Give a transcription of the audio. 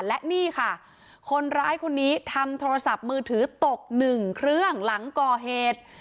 และนี่ค่ะคนร้ายคนนี้ทำโทรศัพท์มือถือตกหนึ่งเครื่องหลังก่อเหตุ